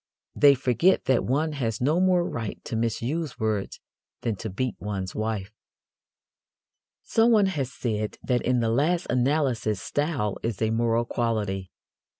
They forget that one has no more right to misuse words than to beat one's wife. Someone has said that in the last analysis style is a moral quality.